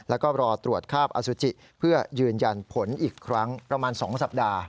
แล้วก็รอตรวจคราบอสุจิเพื่อยืนยันผลอีกครั้งประมาณ๒สัปดาห์